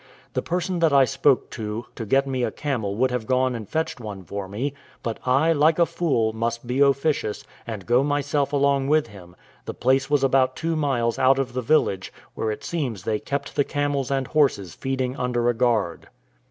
The person that I spoke to to get me a camel would have gone and fetched one for me; but I, like a fool, must be officious, and go myself along with him; the place was about two miles out of the village, where it seems they kept the camels and horses feeding under a guard.